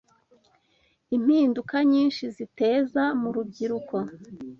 impinduka nyinshi ziteza mu rubyiruko